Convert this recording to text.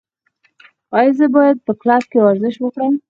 ایا زه باید په کلب کې ورزش وکړم؟